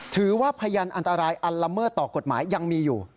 ถือว่าพยันอันตรายอันละเมื่อต่อกฎหมายยังมีอยู่